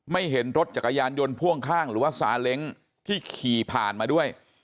เห็นรถจักรยานยนต์พ่วงข้างหรือว่าซาเล้งที่ขี่ผ่านมาด้วย